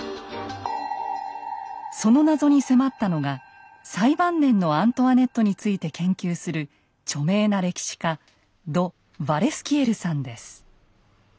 その謎に迫ったのが最晩年のアントワネットについて研究する著名な歴史家ド・ヴァレスキエルさんです。